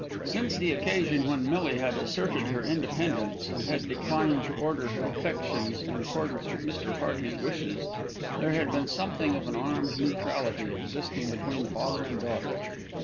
Since the occasion when Millie had asserted her independence, and had declined to order her affections in accordance with Mr. Hearty's wishes, there had been something of an armed neutrality existing between father and daughter.